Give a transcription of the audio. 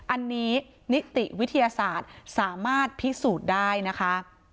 อันนี้นิติวิทยาศาสตร์สามารถพิสูจน์ได้นะคะ